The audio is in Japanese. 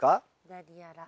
何やら。